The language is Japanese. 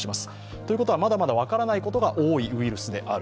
ということは、まだまだ分からないことが多いウイルスである。